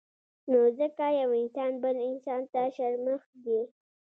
نو ځکه يو انسان بل انسان ته شرمښ دی